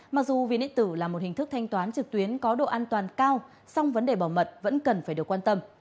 mặc dù ví điện tử là một hình thức thanh toán trực tuyến có độ an toàn cao song vấn đề bảo mật vẫn cần phải được quan tâm